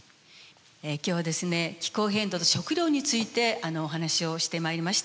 今日はですね気候変動と食料についてお話をしてまいりました。